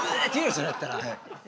それやったら。